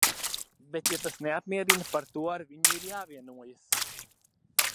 Bet ja tas neapmierina, par to ar viņu ir jāvienojas.